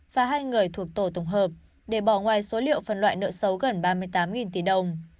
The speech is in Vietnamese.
và hai người thuộc tổ tổng hợp để bỏ ngoài số liệu phân loại nợ xấu gần ba mươi tám tỷ đồng